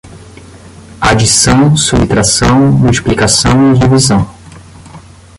Adição, subtração, multiplicação e divisão